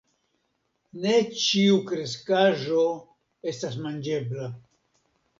Ne ĉiu kreskaĵo estas manĝebla.